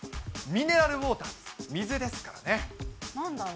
ミネラルウォーター、水ですからね。